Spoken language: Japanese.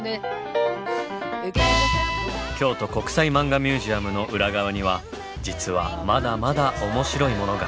京都国際マンガミュージアムの裏側には実はまだまだ面白いものが。